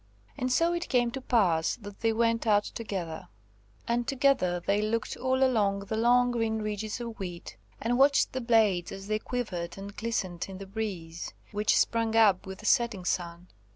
And so it came to pass that they went out together. And together they looked all along the long green ridges of wheat, and watched the blades as they quivered and glistened in the breeze, which sprang up with the setting sun.